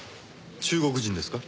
中国人ですか？